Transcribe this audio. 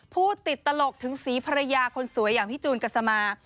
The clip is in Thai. พูดติดตลกถึงสีภรรยาคนสวยอย่างพี่จูนกัสมา